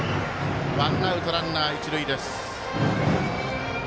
ワンアウト、ランナー、一塁です。